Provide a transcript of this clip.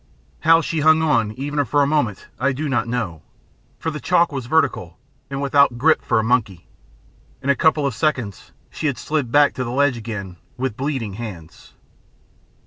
How she hung on even for a moment I do not know, for the chalk was vertical and without grip for a monkey. In a couple of seconds she had slid back to the ledge again with bleeding hands.